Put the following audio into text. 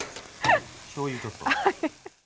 しょうゆちょっと。